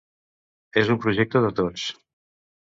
És un projecte de tots.